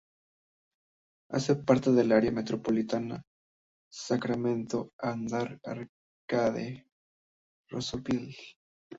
Hace parte del área metropolitana Sacramento–Arden-Arcade–Roseville.